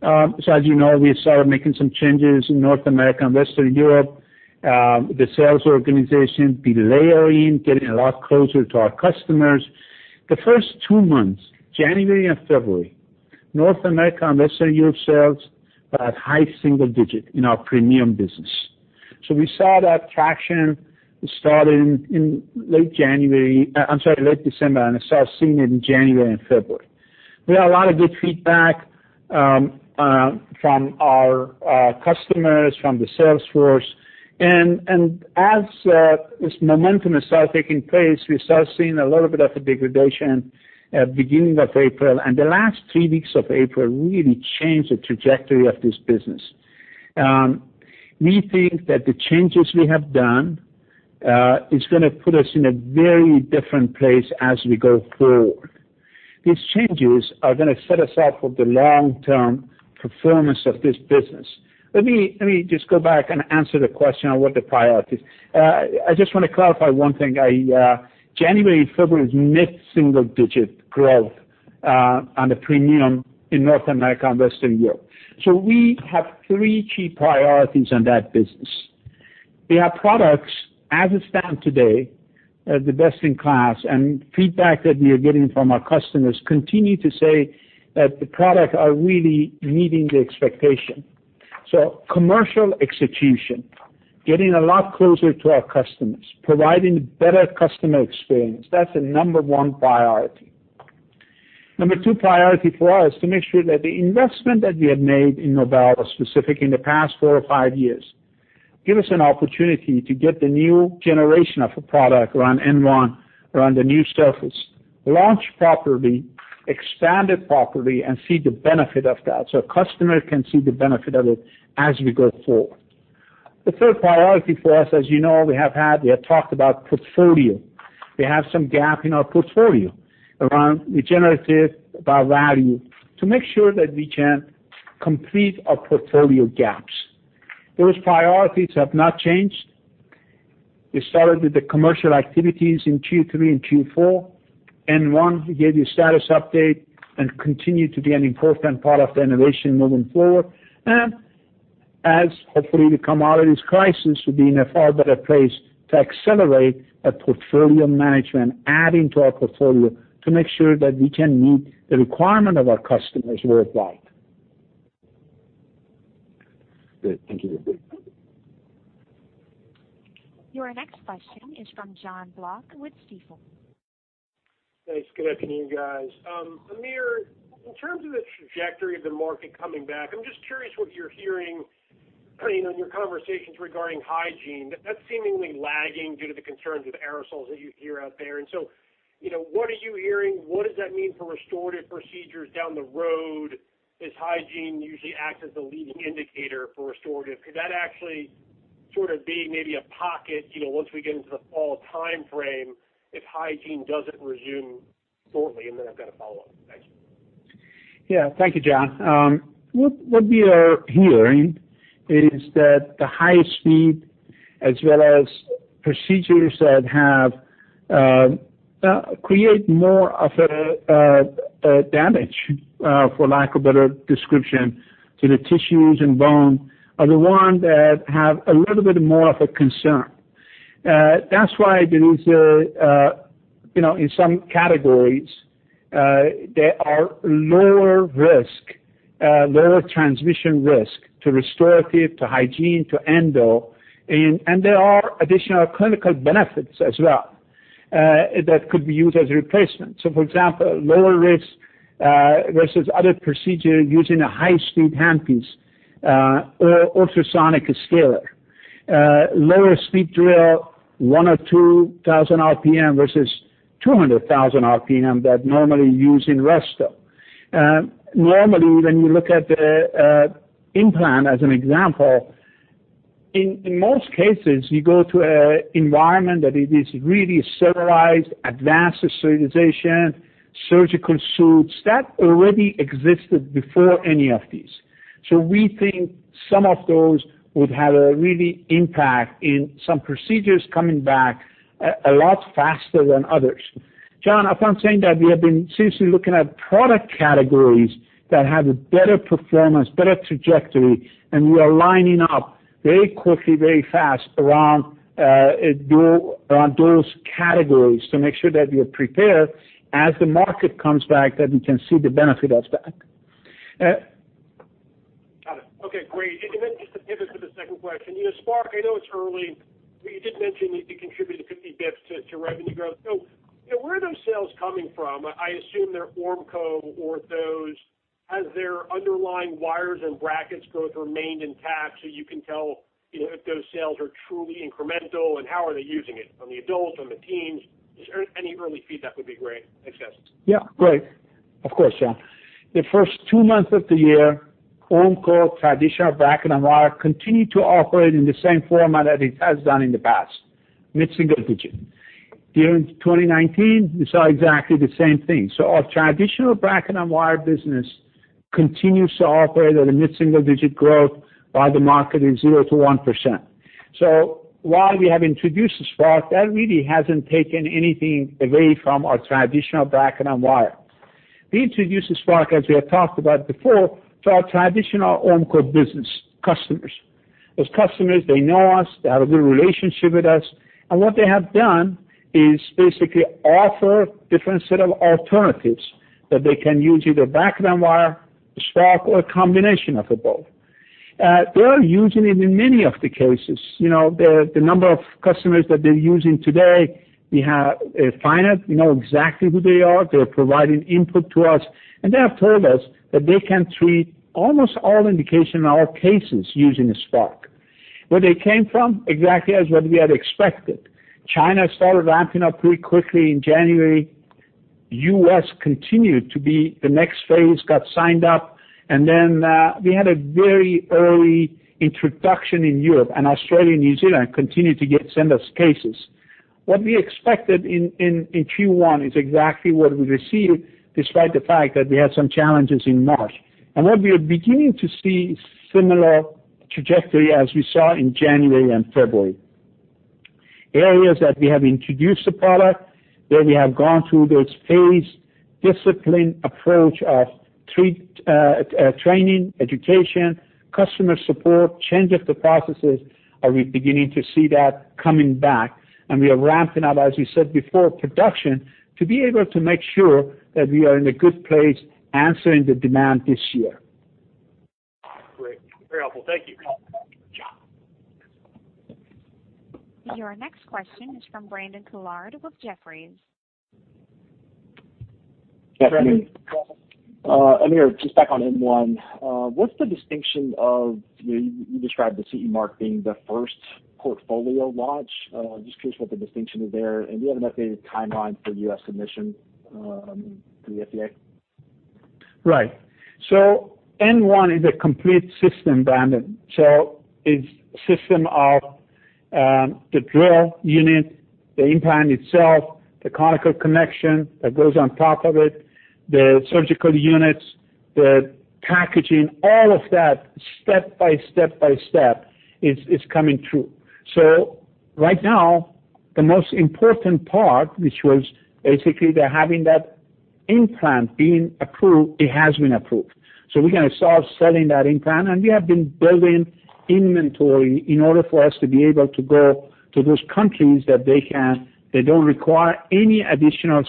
As you know, we started making some changes in North America and Western Europe. The sales organization, delayering, getting a lot closer to our customers. The first two months, January and February, North America and Western Europe sales were at high single-digit in our premium business. We saw that traction starting in late January, late December, and I start seeing it in January and February. We had a lot of good feedback from our customers, from the sales force. As this momentum started taking place, we started seeing a little bit of a degradation at beginning of April, and the last three weeks of April really changed the trajectory of this business. We think that the changes we have done is going to put us in a very different place as we go forward. These changes are going to set us up for the long-term performance of this business. Let me just go back and answer the question on what the priority is. I just want to clarify one thing. I, January and February is mid-single digit growth on the premium in North America and Western Europe. We have three key priorities on that business. We have products, as it stand today, the best-in-class, and feedback that we are getting from our customers continue to say that the product are really meeting the expectation. Commercial execution, getting a lot closer to our customers, providing better customer experience, that is the number one priority. Number two priority for us, to make sure that the investment that we have made in Nobel, specific in the past four or five years, give us an opportunity to get the new generation of a product around N1, around the new surface, launch properly, expand it properly, and see the benefit of that, so customer can see the benefit of it as we go forward. The third priority for us, as you know, we have talked about portfolio. We have some gap in our portfolio around regenerative, about value, to make sure that we can complete our portfolio gaps. Those priorities have not changed. We started with the commercial activities in Q3 and Q4. N1, we gave you a status update and continue to be an important part of the innovation moving forward. As, hopefully, the commodities crisis will be in a far better place to accelerate a portfolio management, adding to our portfolio to make sure that we can meet the requirement of our customers worldwide. Good. Thank you. Your next question is from Jonathan Block with Stifel. Thanks. Good afternoon, guys. Amir, in terms of the trajectory of the market coming back, I'm just curious what you're hearing, you know, in your conversations regarding hygiene. That's seemingly lagging due to the concerns with aerosols that you hear out there. You know, what are you hearing? What does that mean for restorative procedures down the road, as hygiene usually acts as a leading indicator for restorative? Could that actually sort of be maybe a pocket, you know, once we get into the fall time frame, if hygiene doesn't resume shortly, and then I've got a follow-up. Thanks. What we are hearing is that the high-speed, as well as procedures that have create more of a damage, for lack of better description, to the tissues and bone, are the one that have a little bit more of a concern. That's why there is a, you know, in some categories, there are lower risk, lower transmission risk to restorative, to hygiene, to endo, and there are additional clinical benefits as well, that could be used as a replacement. For example, lower risk versus other procedure using a high-speed handpiece, or ultrasonic scaler. Lower speed drill, 1,000 or 2,000 RPM versus 200,000 RPM that normally use in resto. Normally, when you look at the implant as an example, in most cases, you go to an environment that it is really sterilized, advanced sterilization, surgical suits, that already existed before any of these. We think some of those would have a really impact in some procedures coming back a lot faster than others. John, upon saying that, we have been seriously looking at product categories that have a better performance, better trajectory, and we are lining up very quickly, very fast around those, on those categories to make sure that we are prepared as the market comes back, that we can see the benefit that's back. Got it. Okay, great. Just to pivot to the second question, you know, Spark, I know it's early, but you did mention it contributed 50 basis points to revenue growth. Where are those sales coming from? I assume they're Ormco, has their underlying wires and brackets growth remained intact, so you can tell, you know, if those sales are truly incremental, and how are they using it, on the adults, on the teens? Just any early feedback would be great. Thanks, guys. Yeah, great. Of course, John. The first two months of the year, Ormco, traditional bracket and wire, continued to operate in the same format that it has done in the past, mid-single digit. During 2019, we saw exactly the same thing. Our traditional bracket and wire business continues to operate at a mid-single digit growth, while the market is 0%-1%. While we have introduced the Spark, that really hasn't taken anything away from our traditional bracket and wire. We introduced the Spark, as we have talked about before, to our traditional Ormco business customers. Those customers, they know us, they have a good relationship with us, and what they have done is basically offer different set of alternatives, that they can use either bracket and wire, the Spark, or a combination of the both. They are using it in many of the cases. You know, the number of customers that they're using today, we have a finite, we know exactly who they are, they're providing input to us, and they have told us that they can treat almost all indication in all cases using the Spark. Where they came from, exactly as what we had expected. China started ramping up pretty quickly in January. US continued to be the next phase, got signed up, and then we had a very early introduction in Europe, and Australia and New Zealand continued to get send us cases. What we expected in Q1 is exactly what we received, despite the fact that we had some challenges in March. What we are beginning to see similar trajectory as we saw in January and February. Areas that we have introduced the product, where we have gone through this phased, disciplined approach of training, education, customer support, change of the processes, are we beginning to see that coming back? We are ramping up, as we said before, production, to be able to make sure that we are in a good place answering the demand this year. Great. Very helpful. Thank you. Your next question is from Brandon Couillard with Jefferies. Amir, just back on N1. What's the distinction of, you described the CE mark being the first portfolio launch? Just curious what the distinction is there, and do you have an updated timeline for US submission, to the FDA? Right. N1 is a complete system, Brandon. It's a system of the drill unit, the implant itself, the conical connection that goes on top of it, the surgical units, the packaging, all of that, step by step by step, is coming through. Right now, the most important part, which was basically having that implant being approved, it has been approved. We're going to start selling that implant, and we have been building inventory in order for us to be able to go to those countries that they don't require any additional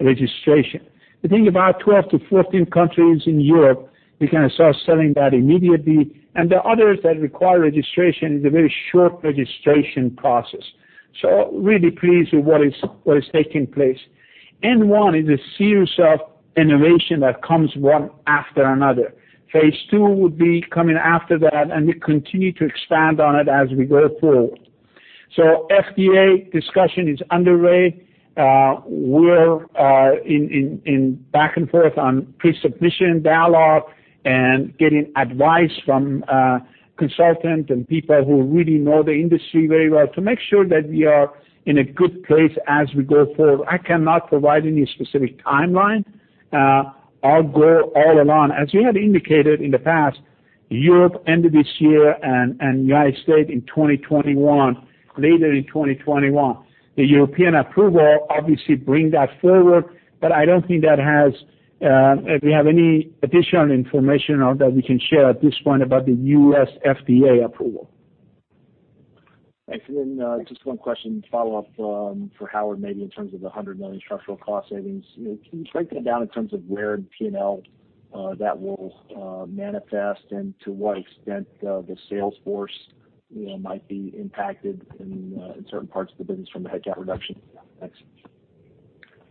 registration. I think about 12 to 14 countries in Europe, we're going to start selling that immediately, and the others that require registration, is a very short registration process. Really pleased with what is taking place. N1 is a series of innovation that comes one after another. Phase two would be coming after that, and we continue to expand on it as we go forward. FDA discussion is underway. We're in back and forth on pre-submission dialogue and getting advice from consultants and people who really know the industry very well, to make sure that we are in a good place as we go forward. I cannot provide any specific timeline. I'll go all along. As we have indicated in the past, Europe end of this year and United States in 2021, later in 2021. The European approval obviously bring that forward, but I don't think that has, if we have any additional information or that we can share at this point about the US FDA approval. Thanks. Just one question to follow up, for Howard, maybe in terms of the $100 million structural cost savings. You know, can you break that down in terms of where in P&L, that will manifest, and to what extent the sales force, you know, might be impacted in certain parts of the business from the headcount reduction? Thanks.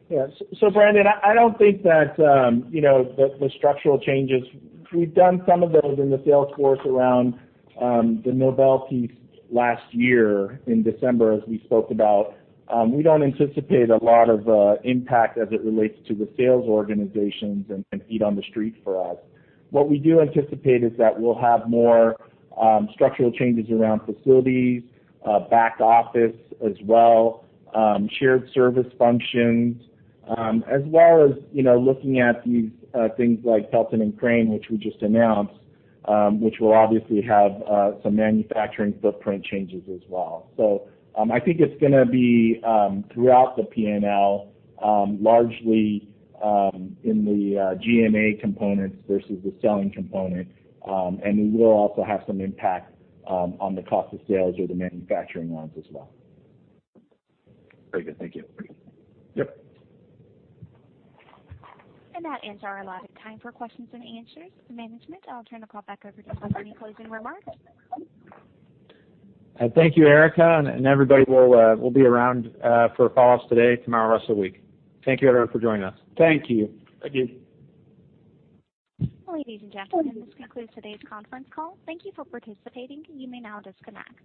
Yeah. Brandon, I don't think that, you know, the structural changes, we've done some of those in the sales force around the Nobel piece last year in December, as we spoke about. We don't anticipate a lot of impact as it relates to the sales organizations and feet on the street for us. What we do anticipate is that we'll have more structural changes around facilities, back office as well, shared service functions, as well as, you know, looking at these things like Pelton & Crane, which we just announced, which will obviously have some manufacturing footprint changes as well. I think it's going to be throughout the P&L, largely in the G&A components versus the selling component. We will also have some impact on the cost of sales or the manufacturing lines as well. Very good. Thank you. Yep. That ends our allotted time for questions and answers to management. I'll turn the call back over to you for any closing remarks. Thank you, Erica, and everybody, we'll be around for follow-ups today, tomorrow, rest of the week. Thank you everyone for joining us. Thank you. Thank you. Ladies and gentlemen, this concludes today's conference call. Thank you for participating. You may now disconnect.